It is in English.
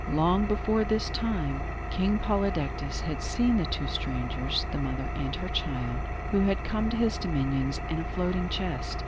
Long before this time, King Polydectes had seen the two strangers the mother and her child who had come to his dominions in a floating chest.